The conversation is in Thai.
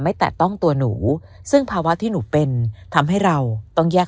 แตะต้องตัวหนูซึ่งภาวะที่หนูเป็นทำให้เราต้องแยก